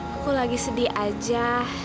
aku lagi sedih aja